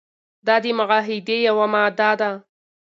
دا د معاهدې یوه ماده وه.